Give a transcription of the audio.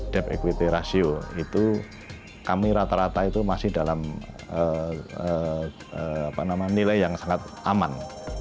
debt equity ratio itu kami rata rata itu masih dalam nilai yang sangat aman